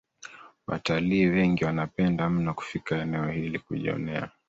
watalii wengi wanapenda mno kufika eneo hili kujionea